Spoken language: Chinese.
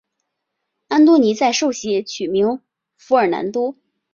安多尼在受洗取名福尔南多。